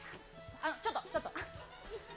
ちょっと、ちょっと。